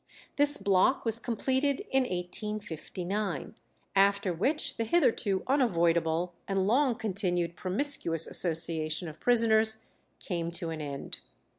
This block was completed in 1859, after which the hitherto unavoidable and long continued promiscuous association of prisoners came to an end.